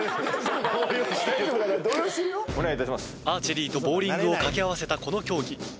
アーチェリーとボウリングを掛け合わせたこの競技。